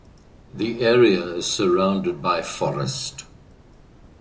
The area is surrounded by forest.